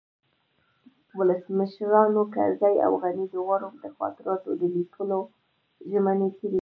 ولسمشرانو کرزي او غني دواړو د خاطراتو د لیکلو ژمني کړې